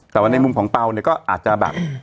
แต่ว่าในมุมของเปล่าเนี่ยก็อาจจะแบบ